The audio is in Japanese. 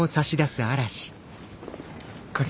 これ。